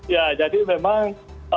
ya jadi memang